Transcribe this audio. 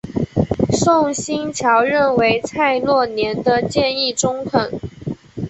宋欣桥认为蔡若莲的建议中肯。